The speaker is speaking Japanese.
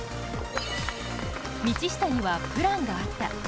道下には、プランがあった。